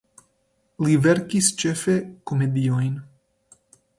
Li verkis ĉefe komediojn.